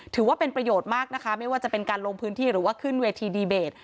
ถือว่าเป็นประโยชน์มากนะคะไม่ว่าจะเป็นการลงพื้นที่หรือว่าขึ้นเวทีดีเบต